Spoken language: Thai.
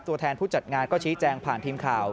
ตัวแทนผู้จัดงานก็ชี้แจงผ่านทีมข่าว